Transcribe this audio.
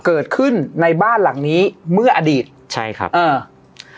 เกิดขึ้นในบ้านหลังนี้เมื่ออดีตใช่ครับอ่า